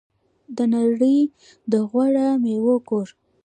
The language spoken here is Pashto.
د نړۍ د غوره میوو کور.